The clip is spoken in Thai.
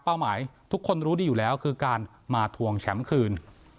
หมายทุกคนรู้ดีอยู่แล้วคือการมาทวงแชมป์คืน